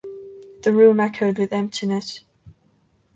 The room echoed with emptiness.